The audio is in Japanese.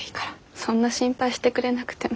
そんな心配してくれなくても。